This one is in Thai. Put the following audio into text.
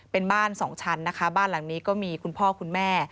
เป็นบ้านสองชั้นนะคะบ้านหลังนี้ก็มีคุณพ่อคุณแม่